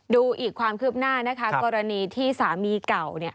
ดูอีกความคืบหน้านะคะกรณีที่สามีเก่า